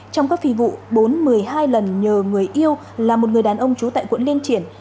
trong các phi vụ bốn một mươi hai lần nhờ người yêu là một người đàn ông trú tại quận liên triển